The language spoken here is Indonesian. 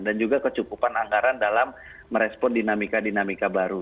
juga kecukupan anggaran dalam merespon dinamika dinamika baru